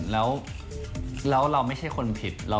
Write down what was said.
แล้วเราไม่ใช่คนผิด